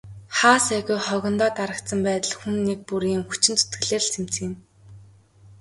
Хаа сайгүй хогондоо дарагдсан байдал хүн нэг бүрийн хүчин зүтгэлээр л цэмцийнэ.